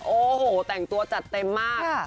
โอ้โหแต่งตัวจัดเต็มมาก